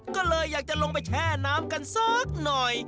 ก็เลยอยากจะลงไปแช่น้ำกันสักหน่อย